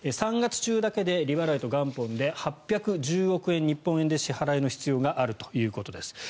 ３月中だけで利払いと元本で８１０億円、日本円で支払いの必要があるということです。